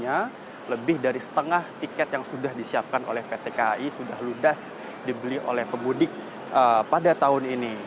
dan juga lebih dari setengah tiket yang sudah disiapkan oleh pt kai sudah ludas dibeli oleh pemudik pada tahun ini